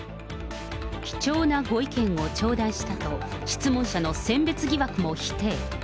貴重なご意見を頂戴したと、質問者の選別疑惑も否定。